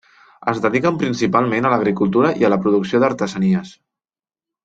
Es dediquen principalment a l'agricultura i a la producció d'artesanies.